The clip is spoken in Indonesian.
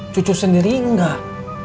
cucu sendiri enggak